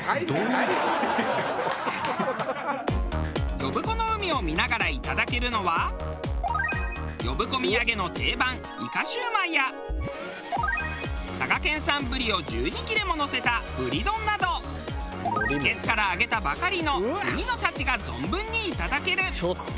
呼子の海を見ながらいただけるのは呼子土産の定番いかしゅうまいや佐賀県産ブリを１２切れものせたブリ丼などいけすから揚げたばかりの海の幸が存分にいただける。